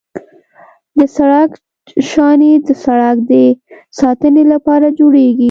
د سړک شانې د سړک د ساتنې لپاره جوړیږي